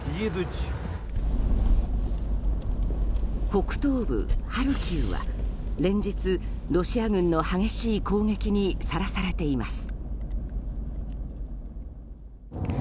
北東部ハルキウは連日ロシア軍の激しい攻撃にさらされています。